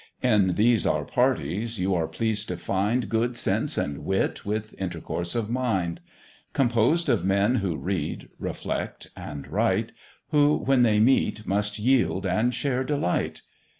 In these our parties you are pleased to find Good sense and wit, with intercourse of mind; Composed of men who read, reflect, and write, Who, when they meet, must yield and share delight.